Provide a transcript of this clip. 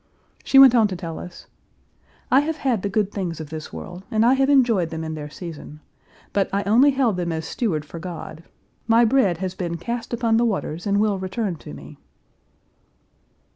She went on to tell us: "I have had the good things of this world, and I have enjoyed them in their season. But I only held them as steward for God. My bread has been cast upon the waters and will return to me."